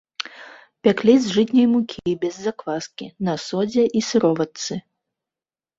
Пяклі з жытняй мукі без закваскі, на содзе і сыроватцы.